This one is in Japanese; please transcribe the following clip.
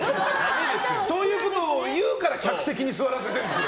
そういうことを言うから客席に座らせてるんですよ。